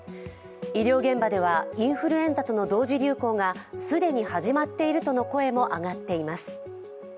医療現場ではインフルエンザとの同時流行が既に始まっているとの声も上がっています。